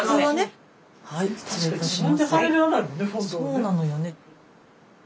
そうなのよね。